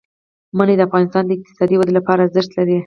منی د افغانستان د اقتصادي ودې لپاره ارزښت لري.